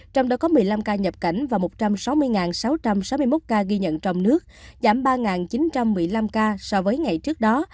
trong đó có một mươi năm ca nhập cảnh và một trăm sáu mươi sáu trăm sáu mươi một ca ghi nhận trong nước giảm ba chín trăm một mươi năm ca so với ngày trước đó